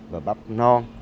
và bắp non